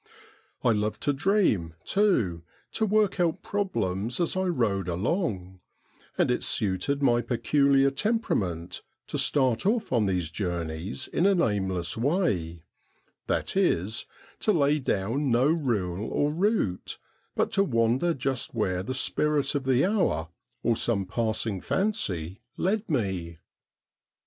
I loved to dream, too, to work out problems as I rode along ; and it suited my peculiar temperament to start off on these journeys in an aimless way ; that is, to lay down no rule or route, but to wander just where the spirit of the hour or some passing fancy led me.